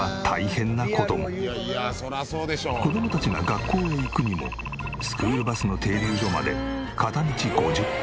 子供たちが学校へ行くにもスクールバスの停留所まで片道５０分。